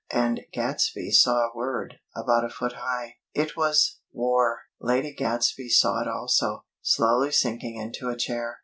_" and Gadsby saw a word about a foot high. It was W A R. Lady Gadsby saw it also, slowly sinking into a chair.